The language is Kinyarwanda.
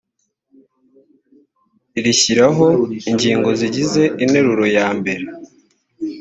rishyiraho ingingo zigize interuro ya mbere